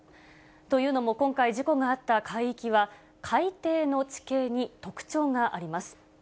というのも今回、事故があった海域は、海底の地形に特徴があります。